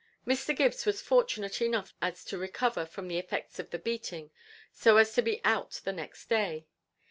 Mr. Gibbs was fortunate enough as to recover from the effects of the beating, so as to be out the next day.